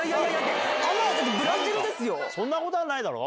そんなことはないだろ？